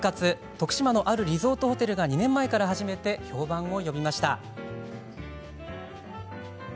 徳島のあるリゾートホテルが２年前から始めて評判を呼びました。